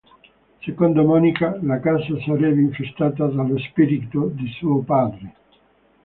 Secondo Monica, la casa, sarebbe infestata dallo spirito di suo padre.